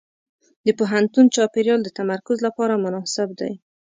د پوهنتون چاپېریال د تمرکز لپاره مناسب دی.